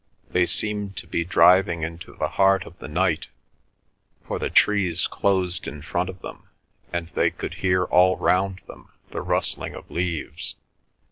They seemed to be driving into the heart of the night, for the trees closed in front of them, and they could hear all round them the rustling of leaves.